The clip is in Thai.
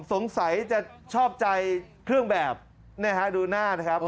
สงสัยจะชอบใจเครื่องแบบเนี่ยฮะดูหน้านะครับ